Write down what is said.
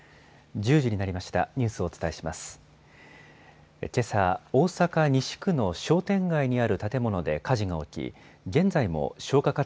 １０時になりました。